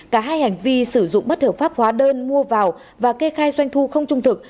cả hai hành vi sử dụng bất hợp pháp hóa đơn mua vào và kê khai doanh thu không trung thực